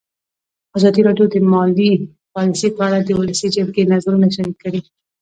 ازادي راډیو د مالي پالیسي په اړه د ولسي جرګې نظرونه شریک کړي.